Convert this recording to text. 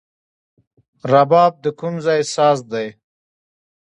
رباب د کوم ځای ساز دی؟